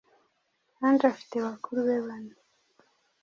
Ange afite bakuru be bane